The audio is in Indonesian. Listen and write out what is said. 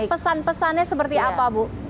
pesan pesannya seperti apa bu